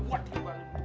buat dikibar juga lu